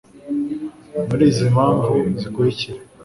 muri izi mpamvu zikurikira